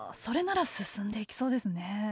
それなら進んでいきそうですね。